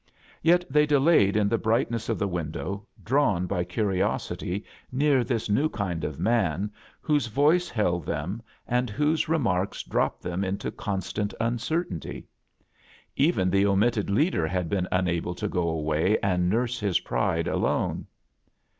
Yet they delayed in the bright ness of the window, drawn by ctiriosHy near this new kind of man whose voice held them and whose remarks dropped them into constant uncertainty. Even the omitted leader had been unable to go away and nurse his pride alone.